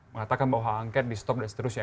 mengatakan bahwa hak angket di stop dan seterusnya